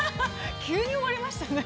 ◆急に終わりましたね。